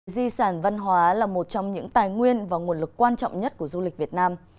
di sản văn hóa là một trong những tài nguyên và nguồn lực quan trọng nhất của du lịch việt nam